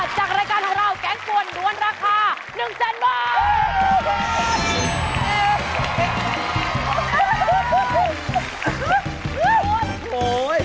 จากรายการของเราแก๊งป่วนด้วนราคา๑แสนบาท